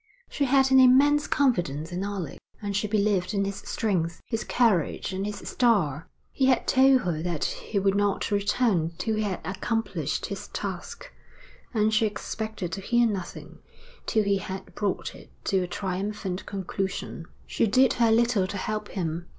She had an immense confidence in Alec, and she believed in his strength, his courage, and his star. He had told her that he would not return till he had accomplished his task, and she expected to hear nothing till he had brought it to a triumphant conclusion. She did her little to help him.